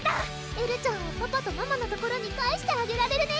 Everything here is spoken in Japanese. エルちゃんをパパとママの所に帰してあげられるね！